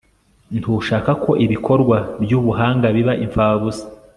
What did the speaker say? ntushaka ko ibikorwa by'ubuhanga biba impfabusa